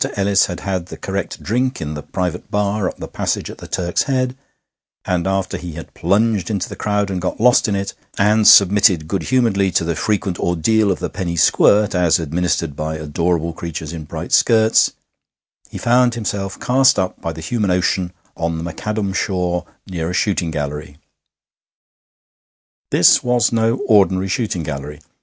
III After Ellis had had the correct drink in the private bar up the passage at the Turk's Head, and after he had plunged into the crowd and got lost in it, and submitted good humouredly to the frequent ordeal of the penny squirt as administered by adorable creatures in bright skirts, he found himself cast up by the human ocean on the macadam shore near a shooting gallery. This was no ordinary shooting gallery.